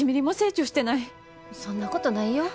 そんなことないよ。